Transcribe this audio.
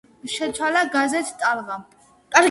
შეცვალა გაზეთ „ტალღამ“.